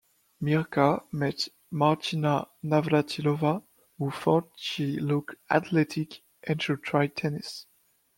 Mirka met Martina Navratilova, who thought she looked athletic and should try tennis.